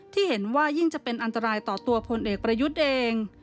ที่เห็นว่ายิ่งจะเป็นอันตรายต่อตัวพลเอกประยุทธ์เอง